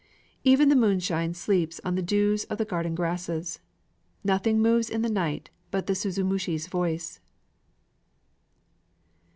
Even the moonshine sleeps on the dews of the garden grasses; Nothing moves in the night but the suzumushi's voice.